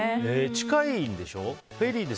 近いんでしょ？